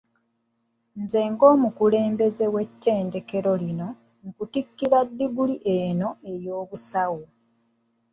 Nze, ng'omukulembeze w' ettendekero lino, nkutikkira diguli eno ey'Obusawo.